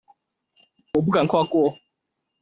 我不敢跨過